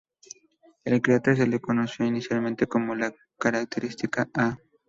El cráter se le conoció inicialmente como la "característica A".